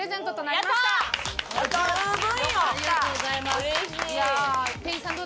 ありがとうございます。